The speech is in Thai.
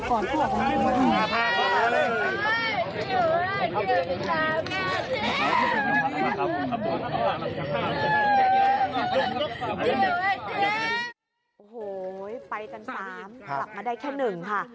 โอ้โหไปกัน๓กลับมาได้แค่๑ค่ะ